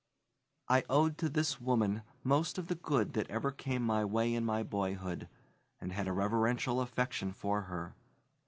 I owed to this woman most of the good that ever came my way in my boyhood, and had a reverential affection for her.